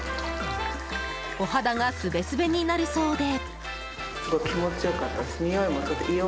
お肌がすべすべになるそうで。